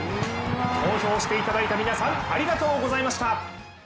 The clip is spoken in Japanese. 投票していただいた皆さん、ありがとうございました！